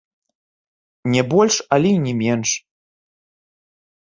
Не больш, але і не менш.